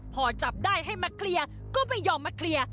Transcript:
พอจับได้ให้มาเคลียร์ก็ไม่ยอมมาเคลียร์